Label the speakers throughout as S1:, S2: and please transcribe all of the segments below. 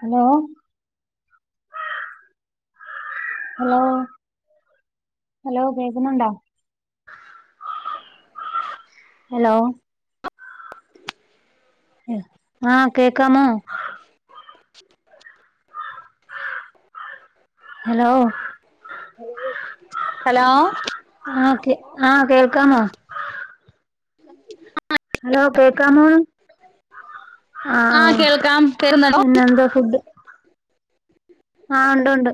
S1: Hello hello hello കേൾക്കുന്നുണ്ടോ hello ആ കേക്കാമോ ഹലോ
S2: ഹലോ
S1: ആ. ആ കേൾക്കാമോ ഹലോ കേക്കാമോ
S2: ആ
S1: ആഹ്
S2: കേൾക്കാം പരുന്നണോ
S1: ആ ഉണ്ട് ഉണ്ട്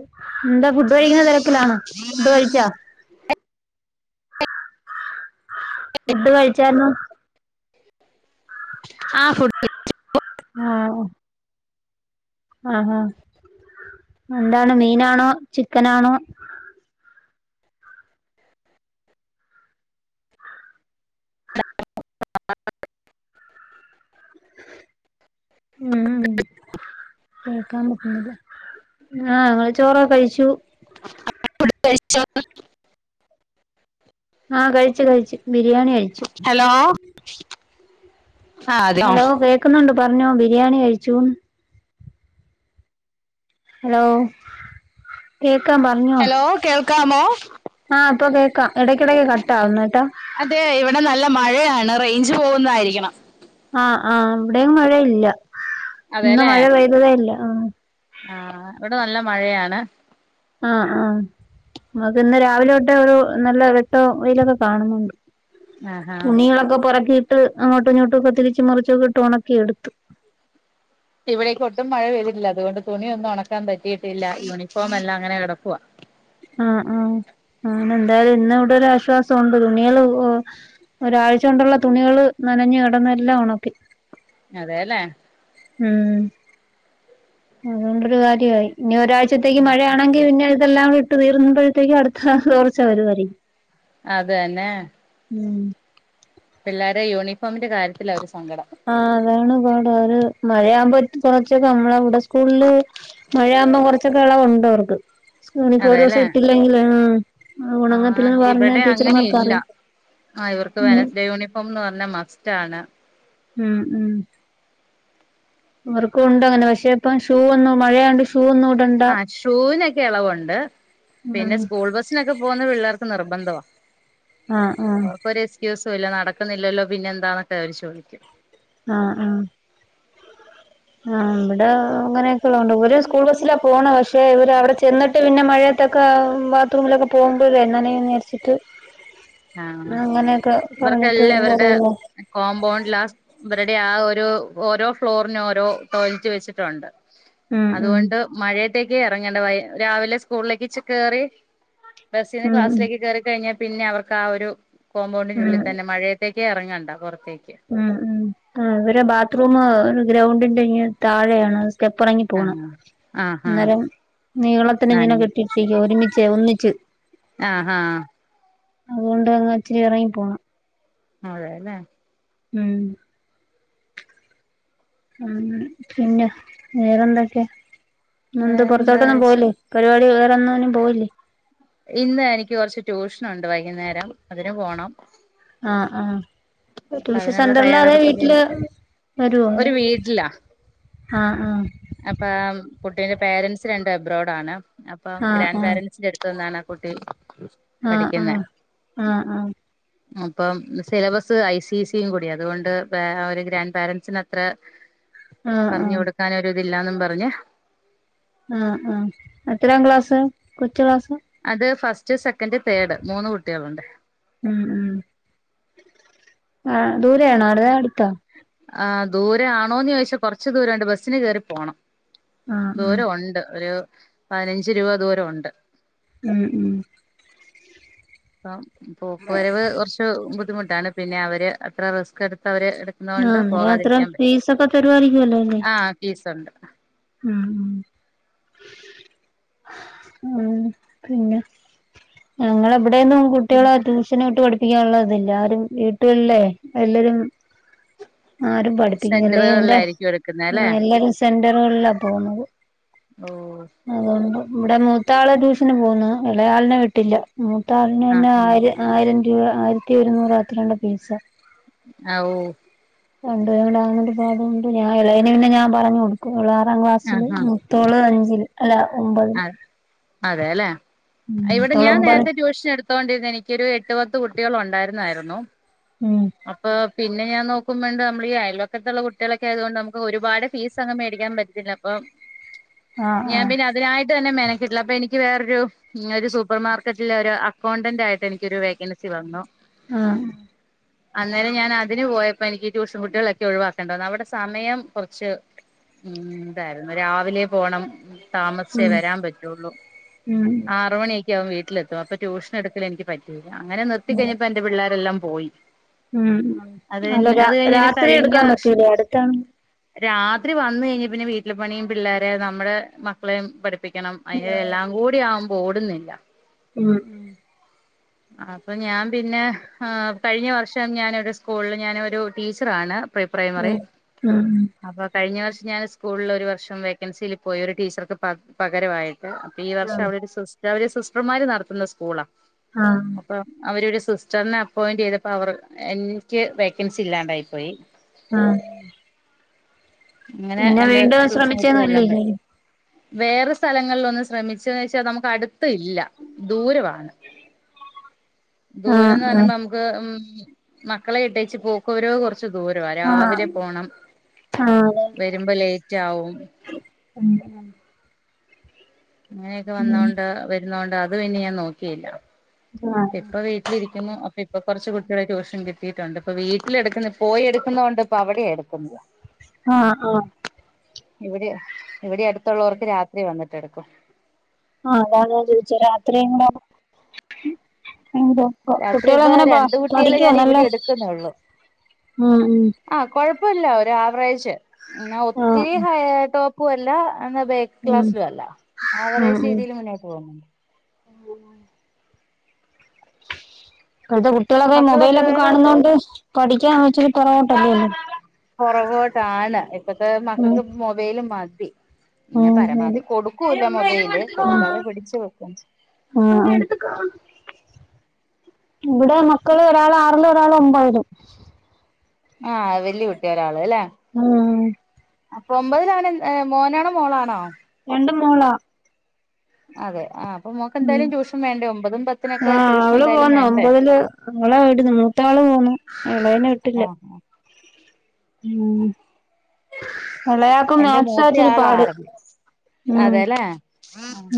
S1: എന്താ ഫുഡ് കഴിക്കുന്ന തിരക്കിലാണോ ഫുഡ് കഴിച്ചാ ഫുഡ് കഴിച്ചാരുന്നു
S2: ആ ഫുഡ് [unintelligible]
S1: ആ ആ. എന്താണ് മീനാണോ ചിക്കനാണോ
S2: [unintelligible]
S1: ഉം കേൾക്കാൻ പറ്റുന്നില്ല ആ ഞങ്ങ ചോറൊക്കെ കഴിച്ചു
S2: [unintelligible]
S1: ആ കഴിച്ചു കഴിച്ചു ബിരിയാണി കഴിച്ചു
S2: [unintelligible] അതെയോ
S1: ഹലോ കേക്കുന്നുണ്ട് പറഞ്ഞോ ബിരിയാണി കഴിച്ചു ഹലോ കേ കേക്കാ പറഞ്ഞോ
S2: ഹലോ കേൾക്കാമോ
S1: ആഹ് ഇപ്പൊ കേക്കാം ഇടക്കിടക്ക് കട്ടാവിന്ട്ട
S2: ആണ് റേഞ്ച് പോകുന്നതായിരിക്കണം
S1: ആ ആ അവിടെും മഴയില്ല ഇന്ന് മഴ പെയ്തതേല്ല ആ
S2: ആ ഇവിടെ നല്ല മഴയാണ്
S1: ആ ആ നമക്ക് ഇന്ന് രാവിലെ തൊട്ട് ഒരു നല്ല വട്ടോ വെയിലൊക്കെ കാണുന്നുണ്ട് തുണിങ്ങളൊക്കെ പൊറുകി ഇട്ട് അങ്ങോട്ടും ഇങ്ങോടട്ടും ഒക്കെ ഇട്ട് തിരിച്ച് മറിച്ചൊക്കെ ഇട്ട് ഉണക്കി എടുത്തു
S2: ഇവിടേക്കൊ ഒട്ടും മഴ പെയ്തിട്ടില്ല അതുകൊണ്ട് തുണിയൊന്നും ഉണക്കാൻ പറ്റിയിട്ടില്ല യൂണിഫോം എല്ലാം അങ്ങനെ കിടക്കുവാ
S1: ആ ആ അങ്ങനെ എന്തായാലും ഇന്ന് ഇവിടെ ഒരുരാശ്വാസം ഉണ്ട് തുണികള് ഒരാഴ്ച കൊണ്ടുള്ള തുണികള് നനഞ്ഞു കിടന്നെല്ലാം ഉണക്കി
S2: അതെല്ലേ
S1: അധോണ്ടരുകര്യായി ഇനി ഒരാഴ്ചത്തേക്ക് മഴയാ ആണെങ്കിൽ പിന്നെ ഏദെല്ലാം വിട്ട് ഇട്ട് തിരുമ്പോയേക്കും അടുത്ത തോർച്ച വരുവായിരിക്കും
S2: അത തന്നെ
S1: ഉം
S2: പിള്ളോരെ യൂണിഫോമിന്റെ കാര്യത്തിലാ അവർ
S1: ആ അതാണ് പ്ട മഴയാവുമ്പോൾ കുറച്ചക്കെ നമ്മളെ അവിടെ സ്കൂളൽ മഴആവുമ്പോൾ കുറച്ച് പച്ചക്കള ഉണ്ട് അവർക്ക് യൂണിഫോം ഒരു ദിവസം ഇട്ടില്ലെങ്കിലേ ആ
S2: ആഹ ഇവിടെ അങ്ങനെയില്ല
S1: അറിയും
S2: ആ ഇവർക്ക്
S1: ഉം
S2: വെനസ്‌ഡേ യൂണിഫോംന്ന് പറഞ്ഞ മസ്റ്റ് ആണ്
S1: ഉം ഉം അവർക്കും ഉണ്ട്ങ്ങനെ പക്ഷെ ഇപ്പം ഷൂ ഒന്നു മഴയണ്ട്
S2: ആ ഷൂവിനൊക്കെ ഇളവുണ്ട് പിന്നെ
S1: ആഹ്
S2: സ്കൂൾ ബസ്സിനൊക്കെ പോകുന്നത് പിള്ളേർക്ക് നിർബന്ധവാ
S1: ആഹ് ആഹ്
S2: അവർക്കൊരു സ്ക്യസ് ഇല്ല നടക്കുന്നില്ലല്ലോ പിന്നെ എന്താന്നൊക്കെ അവര് ചോദിക്കും
S1: ആ ആ അ ഇവിടെ അങ്ങനെയൊക്കെള്ളണ്ട് ഇവർ സ്കൂൾ ബസ്സിലാ പോണ പക്ഷെ ഇവർ അവിടെ ചെന്നിട്ട് പിന്നെ മഴയത്തൊക്കെ ബാത്റൂമിലൊക്കെ പോകുമ്പോ യെങ്ങനെച്ചിട്ട്
S2: ആ
S1: പറഞ്ഞിട്ട്
S2: ഇവർക്കെല്ലാം ഇവരുടെ
S1: പോകുന്നു.
S2: കോമ്പൗണ്ട് ലാസ് ഇരുടെ ആ ഒരു ഓരോ ഫ്ലോറിന്ഓരോ ടോയ്ലറ്റ് വെച്ചിട്ടുണ്ട്
S1: ഉം ഉം
S2: അതുകൊണ്ട് മഴ ത്തേക്ക് ഇറങ്ങേണ്ട രാവിലെ സ്കൂളിലേക്ക്ച്ച് കേറി
S1: ഉം
S2: ബസ്സിന്ന്ക്ലാസിലേക്ക് കേയറി കഴിഞ്ഞാൽ പിന്നെ അവർ ആ ഒരു കോമ്പൗണ്ടിന്
S1: ഉം
S2: ഉുള്ളിൽ തന്നെ മഴയത്തേക്ക് [unintelligible] ഇറങ്ങേണ്ട
S1: ഉം ഉ ആ ഇവരെ ബാത്റൂം ഗ്രൗണ്ടിന്റെ ഇങ്ങ് താഴെയാണ് സെറ്റ്പ്പ്റങ്ങി പോണം അന്നേരം നീളത്തിന് ഇങ്ങനെ കെട്ടിട്ടിരിക്ക ഒരുമിച്ച്ഒന്നിച്ച് അതുകൊണ്ട് അങ്ങ ഇച്ചിരി ഇറങ്ങി പോണം
S2: അതെ അല്ലേ
S1: ഉം പിന്നെ വേറെന്തൊക്കെ നന്ത് പുറത്തോട്ടൊ ഒന്നും പോവില്ലേ പരിപാടി ന്നും പോയില്ലേ
S2: ഇന്ന് എനിക്ക് കൊറച്ച് ട്യൂഷനുണ്ട് വൈകുന്നേരം അതിന് പോണം
S1: ങാ ങാ ട്യൂഷൻ സെന്ററിലാതെ വീട്ടില് വരുവോ
S2: ഒരു
S1: ങാ ങാ
S2: അപ്പംകുട്ടീന്റെ പോരൻറ്സ് രണ്ടും എബ്രോഡ ആണോ അപ്പം ഗ്രാൻ് പാരൻറ്സിന്റെ അടുത്ത് നിന്നാണോ കുട്ടി
S1: അ ആ അ ആഹ്
S2: അപ്പം സിലബസ് ഐ സി സിയും കൂടിയാ അതുകൊണ്ട് ഒരു ഗ്രാൻഡ് പാരൻസിന് അത്ര
S1: ആ
S2: പറഞ്ഞു കൊടുക്കാനായി നില്ലാന്നും പറഞ്ഞ്
S1: ആ ആഎത്രാം ക്ലാസ് കൊച്ചു ക്ലാസ്
S2: അത് ഫസ് റ്റ്, സെക്കൻഡ്, തേർഡ് മൂന്ന് കുട്ടിളു ണ്ട്.
S1: ഉം ഉ ആ ദൂരെ ആണോ [unintelligible] അട് ത്ത
S2: ആ ദൂര ആണോന്നോയിച്ചാൽ കൊറച്ച് ദൂരണ്ട് ബസ്സിന് കേറി പോണം.
S1: ആ ആ
S2: ദൂര ഉണ്ട് ഒരു പയിനഞ്ച് രൂപ ദൂരം ഉണ്ട്
S1: ഉം ഉം
S2: ആ പോക്ക് വരവ് കൊർച് ബുദ്ധിമു അതാണ് പിന്നെ അവര് അത്ര റിസ്ക് എട് ഇപ്പോ അവര്
S1: ആ
S2: എടുക്കുന്നോണ്ട്
S1: അന്നേരം അത്ര
S2: പോകാതിരിക്കാൻ പറ്റും
S1: ഫീസൊക്കെ തരുവായിരിക്കുവല്ലോ അല്ലേ
S2: ആ ഫീസൊണ്ട്.
S1: ഉം ഉം പിന്നെ ഞങ്ങളെ ഇവിടെ എന്നും കുട്ടിളെ ട്യൂഷന് വിട്ട് പഠി ഈ ഒള്ളതെല്ലാരും വീട്ടിള്ളെ എല്ലരും ആരും പഠിപ്പിക്കുന്നില്ല. എന്റെ എല്ലരും സെ [unintelligible] പോന്നത്
S2: ഓ
S1: ഇവിടെ മൂത്താള് ട്യൂഷന് പോകുന്നു എളേയാളിനെ വിട്ടില്ല ഉം. [unintelligible] ആയിരു ആയിരം ഒരു ആയിരത്തിഒരുന്നൂറ് അത്രയുണ്ട് ഫീസ്
S2: ആ ഓഹ്
S1: രണ്ട് പേരും കൂടെ ആയോണ്ട് അതുകൊണ്ട് ഞാൻ ഇളയവന് ഞാൻ പിന്നെ പറഞ്ഞു കൊടുക്കും. ഓള് ആറാം ക്ലാസ്സില് മുത്തോള് അഞ്ചില് അല്ല ഒമ്പതില്
S2: വേല
S1: ഉം
S2: ഇവിടെ
S1: മൂത്തോള്
S2: ഞാൻ
S1: ഒമ്പത്
S2: നേരത്തെ ട്യൂഷൻ എടു എടുത്തോണ്ടിരുനെനിക്കൊരു എട്ടു പത്ത് കുട്ടികളൊണ്ടാരുന്നാരുന്നു
S1: ഉം
S2: അപ്പൊ പിന്നെ ഞാൻ നോക്കുമ്പോഇണ്ട് നമ്മളീ അയൽവക്കതൊള്ള കുട്ടികളൊക്കായതുകൊണ്ട് നമുക്ക് ഒരുപാട് ഫീസങ്ങ് മേടിക്കാൻ പറ്റത്തില്ല അപ്പം
S1: ആ ആ
S2: ആയിട്ട് തന്നെ മെനകെട്ടില്ല അപ്പൊ എനിക്ക് വേറൊരു ഒരു സൂപ്പർമാർക്കറ്റിലൊരു അക്കൗണ്ടന്റ് ആയിട്ട് എനിക്കൊരു വേക്കൻസി വന്നു.
S1: ആ
S2: അന്നേരം ഞാനതിന് പോയപ്പ എനിക്ക് ടുഷൻ കുട്ടികളൊക്കെ ഒഴിവാക്കണ്ട വന്നു അവിടെ സമയം കൊറച് ഉം ഇതായിരുന്നു രാവിലെ പോണം താമസ്ച്ചേ വരാൻ പറ്റുള്ളൂ
S1: ഉം
S2: ആറുമണി [unintelligible] വീട്ടിലെത്തും അപ്പൊ ടൂഷൻ എടുക്കൽ എനിക്ക് പറ്റോ അങ്ങനെ നിർത്തി കഴിഞ്ഞപൊ എന്റെ പിള്ളേരെല്ലാം പോയി
S1: ഉം ഉം അല്ലല്ല രാത്രി എടുക്കാൻ പറ്റൂലേ അടുത്താണ്
S2: രാത്രി വന്ന് കഴിഞ്ഞ് പിന്നെ വീട്ലെ പണിയും പിള്ളേരെ നമ്മടെ [unintelligible] പഠിപ്പിക്കണം അയിന്റെ എല്ലാം കൂടി ഓടുന്നില്ല
S1: മ്മ് മ്മ്
S2: അപ്പൊ ഞാൻ പിന്നെ ആഹ് കഴിഞ്ഞ വർഷം ഞാനൊരു സ്കൂളിൽ ഞാന് ഒരു ടീച്ചറാണ് പ്രീപ്രൈമറി
S1: ഉം ഉം
S2: അപ്പൊ കഴിഞ്ഞ വർഷം ഞാൻ സ്കൂളിൽ ഒരു വർഷം വേക്കൻസിയിൽ പോയി ഒരു ടീച്ചർക്ക് പകരം പകരമായിട്ട് അപ്പൊ ഈ വർഷം
S1: ഉം
S2: അവടെ ഒരു സിസ്റ്റ് റ് അവര് സിസ്റ്റർമാര് നടത്തുന്ന സ്കൂളാ
S1: ആഹ്
S2: അപ്പൊ അവര് ഒരു സിസ്റ്ററിനെ അപ്പോയിന്റ് ചെയ്തപ്പോ അവർ എനിക്ക് വേക്കൻസി ഇല്ലാണ്ടായി പോയി
S1: ആഹ് പിന്നെ വീണ്ടും ശ്രമിച്ചൊന്നൂലെ
S2: വേറെ സ്ഥലങ്ങളിൽ ഒന്നും ശ്രമിച്ചന്ന് വെച്ചാൽ നമുക്ക് അടു ത്തില്ല ദൂരമാണ് ദൂരംന്ന്
S1: ആഹ്
S2: പറയുമ്പോ
S1: ആഹ്
S2: നമുക്ക് മ്മ് മക്കളെ ഇട്ടെച്ച് പോ കുരോ കുറച്ച് ദൂരമാണ് രാവിലെ പോണം
S1: ആഹ് അതെ
S2: വരുമ്പോ ലേറ്റ് ആവും
S1: ഉം
S2: അങ്ങനെയൊക്കെ
S1: ഉം
S2: വന്നോണ്ട് വരുന്നോണ്ട് അത് അത് പിന്നെ ഞാൻ നോക്കിയില്ല
S1: ആഹ്
S2: ഇപ്പ വീട്ടില് ഇരിക്ക് രിക്കുന്നു അപ്പൊ ഇപ്പൊ കുറച്ച് കുട്ട് ട്യൂഷൻ കിട്ടിയിട്ടുണ്ട് ഇപ്പ വീട്ടിലെടുക്കുന്ന പോയി എടുക്കുന്നത് കൊണ്ട് ഇപ്പ അവിടെ [unintelligible]
S1: ആ ആ
S2: ഇവിടെ ഇവിടെ അടുത്തുള്ളവർക്ക് രാത്രി വന്നിട്ടെടുക്കും.
S1: ആഹ് അതാണ് ഞാൻ ചോദിച്ച രാത്രി എങ്ങനെ എന്ത പ്പം കുട്ടികള് എങ്ങനെ പ പഠിക്കുവോ നല്ലോം ഉം ഉം
S2: പ്പല്ല ഒരു ആവറേജ് എന്നാ
S1: ആഹ്
S2: ഒത്തിരി ഹയെട്ടോ പ്പുമല്ല എന്നാ ബേക്ക്
S1: ഉം
S2: ക്ലാസിലു അല്ല. ആ
S1: ഉം
S2: വറേജ്
S1: ഉം
S2: രീതിയിൽ മുന്നോട്ട് പോവു ന്നുണ്ട്.
S1: ഇപ്പഴത്തെ കുട്ടിളൊക്കെ മൊബൈലൊക്കെ കാണുന്നോണ്ട് പഠിക്കാൻ [unintelligible] പൊറവോട്ടല്ലേല്ലോ
S2: പുറകോട്ടാണ്. ഇപ്പത്തെ മക്കക്ക് മൊബൈല് മതി
S1: ആ ആ [inaudible] ആ ആ ഇവിടെ മക്കള് ഒരാൾ ആറില് ഒരാൾ ഒമ്പതിലും.
S2: ആ വെല്ല്യ കുട്ടി ഒരാള്
S1: ആ
S2: അപ്പൊ ഒമ്പതിലാണ് മോനാണോ മോളാണോ?
S1: രണ്ടും മോളാ
S2: അതെ ആ
S1: ഉം ആ അവള് പോന്നു ഒമ്പതില് അവളെ വിടുന്നു മൂത്ത ആള് പോന്നു എളേനെ വിട്ടില്ല. ഉം എളയാക്ക് മാത് സാ ഇച്ചിരി പാട് ഉം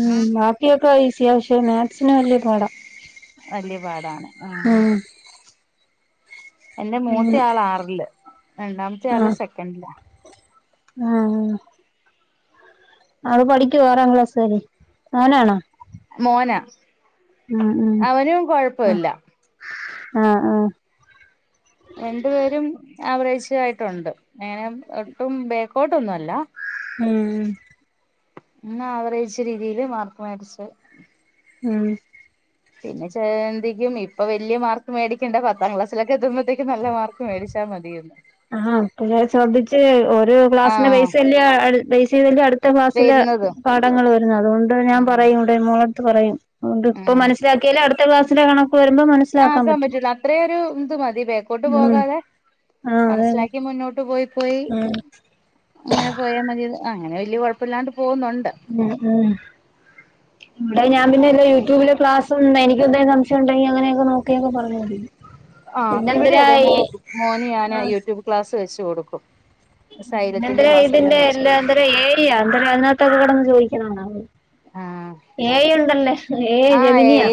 S1: ഉം ബാക്കിയൊക്കെ ഈസി അത്യാവശ്യം മാക്സിന് വലിയ പാടാ
S2: വലിയ പാടാണ് ആഹ്
S1: ഉം
S2: എന്റെ
S1: ഉം
S2: മൂത്ത ആൾ ആറില് രണ്ടാമത്തെ ആള് സെക്കൻഡിലാ
S1: ആഹ് ആഹ് അവള് പഠിക്കുവോ ആറാം ക്ലാസ്കാരി മോനാണോ?
S2: മോനാ
S1: ഉം ഉം
S2: അവനും
S1: ആഹ്
S2: കൊഴപ്പവില്ല
S1: ആഹ് ആഹ്
S2: ആവറേജ് ആയിട്ടുണ്ട് അങ്ങനെ ഒട്ടും ബേക്കോട്ടൊന്നുവല്ല
S1: ഉം ഉം
S2: എന്ന ആവറേജ് രീതിയില് മാർക്ക് മേടിച്ച്
S1: ഉം ഉം
S2: പിന്നെ ചെ ചിന്തിക്കും ഇപ്പം വലിയ മാർക്ക് മേടിക്കണ്ട പത്താം ക്ലാസ്സിലൊക്കെ എത്തുമ്പത്തേക്ക് നല്ല മാർക്ക് മേടിച്ചാൽ മതിയെന്നു.
S1: ആഹ് ഇപ്പഴേ ശ്രദ്ധിച്ച് ഒരു ക്ലാസ്സിന്റെ ബേസല്ലേ ബേസ് ചെയ്ത് അല്ലേ അടുത്ത ക്ലാസ്സില് പാഠങ്ങൾ വരുന്നെ അതുകൊണ്ട് ഞാൻ പറയും ഇടെ മോള ടുത്ത് പറയും അതുകൊണ്ട് ഇപ്പൊ മനസ്സിലാക്കിയാലേ അടു അടുത്ത ക്ലാസ്സിലെങ്ങാണം
S2: ആഹ് ആക്കാൻ പറ്റൂല അത്രയൊരു ഇത് മതി ബേക്ക് ലോട്ട്
S1: ഉം
S2: പോകാതെ
S1: ആഹ് അതെന്നെ
S2: മനസ്സിലാക്കി മുന്നോ ട്ട് പോയി പോയി
S1: ഉം
S2: അങ്ങനെ പോയാൽ മതി ആ അങ്ങനെ വലിയ കൊഴപ്പല്ലാണ്ട്
S1: ഉം ഉം ഇവിടെ അത് ഞാൻ പിന്നെ ലെ യൂടൂബ് ല് ക്ലാസ് ഉണ്ടെനിക്കെന്തേം സംശയണ്ടെങ്കി അങ്ങനെയെക്കെ നോക്കിയൊക്കെ അങ്ങ് പർഞ്ഞാതി
S2: ആഹ് ഇവിടെ അതെ മോ മോന് ഞാന് യൂടൂബ് ക്ലാസ് സ്സ് വെച്ച് കൊട്ക്കും
S1: പിന്നെന്തെരോ ഇതിന്റെ എല്ലാം എന്തരോ ഏരിയ എന്തരോ അതിനകത്തൊക്കെ കിടന്നു ചോദിക്കുന്ന കാണാം ഏ ഐ ഉണ്ടല്ലേ ഏയ് ജമിനിയാ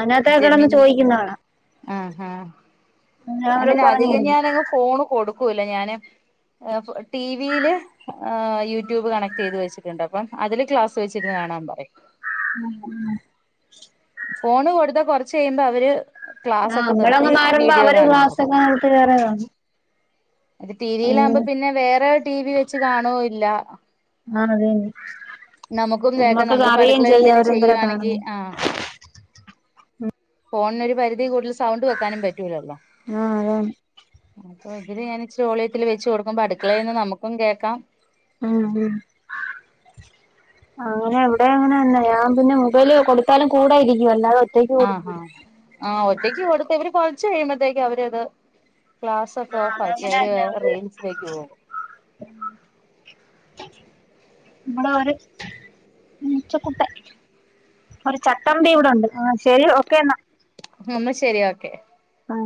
S1: അനാത്തൊക്കെ കിടന്ന് ചോദിക്കുന്ന കാണാം
S2: ആഹ് ഹാ
S1: അങ്ങനെ
S2: ഞാൻ
S1: അവരും
S2: പിന്നെ
S1: പറഞ്ഞു
S2: അധികം
S1: കൊടുക്കും
S2: ഞാനങ്ങ് ഫോണ് കൊടു ക്കൂല ഞാന് ഏ പൊ ടീവീല് ഏ യൂടൂബ് കണക്ടെയ്ത് വെച്ചിട്ട്ണ്ട് അപ്പം അതില് ക്ലാസ്സ് വെച്ചിര്ന്ന് കാണാൻ പറയും
S1: ഉം ഉം
S2: ഫോണ് കൊട്ത്താ കൊറച്ച് കയ്യ്മ്പാെ അവര്
S1: ആഹ് അമ്മളെ മ്മമാരൊന്നും അവര് ക്ലാസ്സൊക്കെ നിർത്തി വേറെ കാണും
S2: അത് ടീവിയിലാവുമ്പ
S1: ഉം
S2: പിന്നെ വേറെ ടീവി വെച്ച് കാണൂ ഇല്ലാ
S1: ആന്നല്ലേ
S2: നമുക്കും കേക്കാം നമ്മള്പ്പോ അട്ക്കളേലെന്തേലും
S1: അവരെന്തരാ
S2: ചെയ്യുവാണെങ്കി
S1: കാണുന്നെ
S2: ആഹ് ഫാേൺനൊരു പരിധി കൂട്തൽ സൗണ്ട് വെക്കാനും പ റ്റൂലല്ലോ
S1: ആഹ് അതാണ്
S2: അ ഇത് ല് ഞാന് ഇച്ചിരിവോളിയത്തില് വെച്ച് കൊട്ക്കുമ്പോ അട്ക്കളേന്ന് നമുക്കും കേക്കാം
S1: ഉം ഉം അങ്ങനെ ഇവ്ടെ അങ്ങനെ തന്നെ ഞാൻ പിന്നെ മുബൈല് കൊട്ത്താലും കൂടെയിരിക്കും അല്ലാതെ ഒ
S2: ആഹ് ആഹ് ആഹ് ഒറ്റയ്ക്ക് കൊട്ത്താ ഇവര് പ ച്ച് കഴിമ്പോത്തേക്കും അവരത് ക്ലാസ്സ്‌ ഒക്കെ
S1: ആഹ്
S2: ഓഫ് ആക്കി
S1: അതങ്ങനെ
S2: അവര്
S1: തന്നെ
S2: റീൽസി ലേക്ക് പോകും
S1: നമ്മടെ ഒരു പൂച്ചക്കുട്ടൻ ഒരു ചട്ടമ്പി ഇവിടൊണ്ട് ആ ശരി ഓക്കെ എന്നാ
S2: എന്നാ ശരി ഓക്കെ
S1: ആ